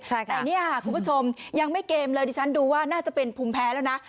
แต่เนี่ยคุณผู้ชมยังไม่เกมเลยดิฉันดูว่าน่าจะเป็นภูมิแพ้แล้วนะ